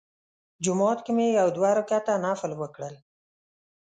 جومات کې مې یو دوه رکعته نفل وکړل.